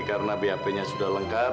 karena bap nya sudah lengkap